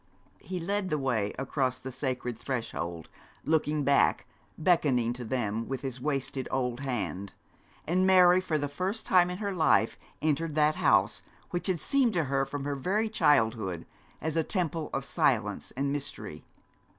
He led the way across the sacred threshold, looking back, beckoning to them with his wasted old hand, and Mary for the first time in her life entered that house which had seemed to her from her very childhood as a temple of silence and mystery.